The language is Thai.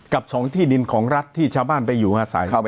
กับสองที่ดินของรัฐที่ชาวบ้านไปอยู่อาศัยเข้าไป